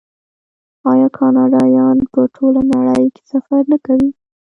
آیا کاناډایان په ټوله نړۍ کې سفر نه کوي؟